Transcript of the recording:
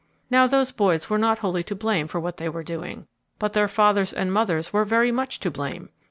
Now those boys were not wholly to blame for what they were doing; but their fathers and mothers were very much to blame!